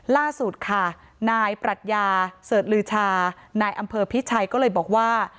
ล่าสุดค่ะนายปรัชญาเสิร์ชลือชานายอำเภอพิชัยก็เลยบอกว่า